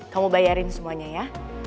kamu bayarin semuanya ya